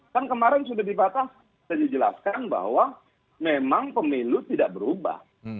kan kemarin sudah dibatas dan dijelaskan bahwa memang pemilu tidak berubah